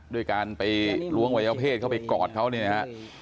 ด้วยการไปล้วงวัยวเพศเข้าไปกอดเขาเนี่ยนะฮะ